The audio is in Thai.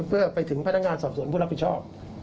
เพื่อไปถึงพนักงานสอบสวนผู้รับผิดชอบ